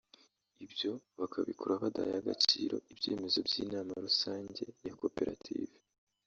ibyo bakabikora badahaye agaciro ibyemezo by’inama rusange ya koperative